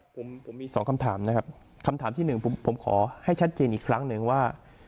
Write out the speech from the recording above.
ผมผมมีสองคำถามนะครับคำถามที่หนึ่งผมขอให้ชัดเจนอีกครั้งหนึ่งว่า